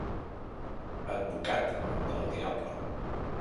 Advocat del diable.